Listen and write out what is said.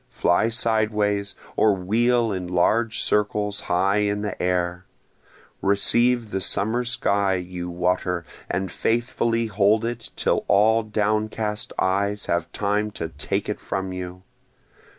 fly sideways, or wheel in large circles high in the air; Receive the summer sky, you water, and faithfully hold it till all downcast eyes have time to take it from you!